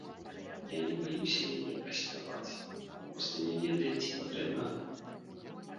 Я не баюся яе праспяваць, проста не ведаю, ці патрэбна гэта.